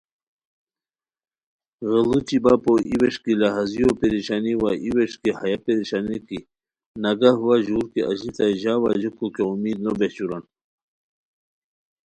غیڑوچی بپو ای ووݰکی لہازیو پریشانی وا ای ووݰکی ہیہ پریشانی کی نگہ وا ژور کی اژیتائے ژاؤ اژیکو کیہ امید نو بیہچوران